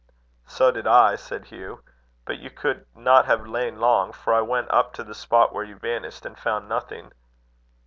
"So did I," said Hugh. "But you could not have lain long; for I went up to the spot where you vanished, and found nothing."